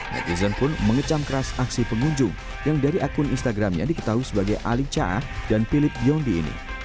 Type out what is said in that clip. netizen pun mengecam keras aksi pengunjung yang dari akun instagramnya diketahui sebagai alik caa dan philip yondi ini